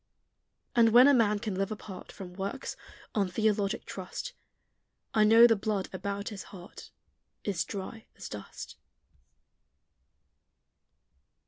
And when a man can live apart From works, on theologic trust, I know the blood about his heart Is dry as dust.